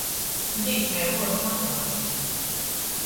Dzīsmei vuordu napuormeisi.